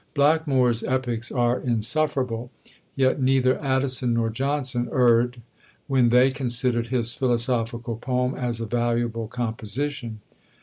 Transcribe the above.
Blackmore's epics are insufferable; yet neither Addison nor Johnson erred when they considered his philosophical poem as a valuable composition.